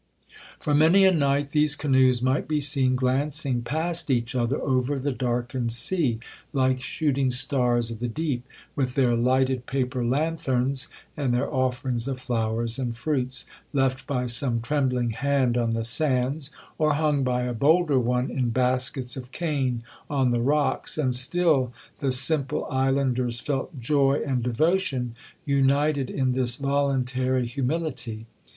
'For many a night these canoes might be seen glancing past each other over the darkened sea, like shooting stars of the deep, with their lighted paper lanthorns, and their offerings of flowers and fruits, left by some trembling hand on the sands, or hung by a bolder one in baskets of cane on the rocks; and still the simple islanders felt joy and devotion united in this 'voluntary humility.'